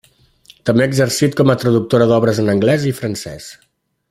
També ha exercit com a traductora d'obres en anglès i francès.